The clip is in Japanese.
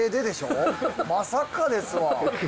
まさかですわ。